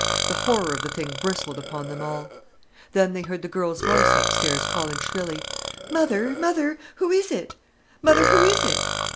The horror of the thing bristled upon them all. Then they heard the girl's voice upstairs calling shrilly: "Mother, mother—who is it? Mother, who is it?"